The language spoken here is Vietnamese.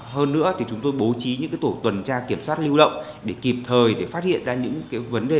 hơn nữa thì chúng tôi bố trí những tổ tuần tra kiểm soát lưu động để kịp thời để phát hiện ra những vấn đề